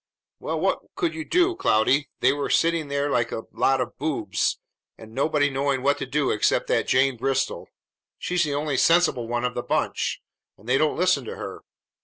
"Well, what could you do, Cloudy? There they were sitting like a lot of boobs, and nobody knowing what to do except that Jane Bristol. She's the only sensible one of the bunch, and they don't listen to her.